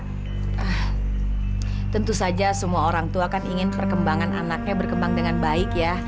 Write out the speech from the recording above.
hmm tentu saja semua orang tua kan ingin perkembangan anaknya berkembang dengan baik ya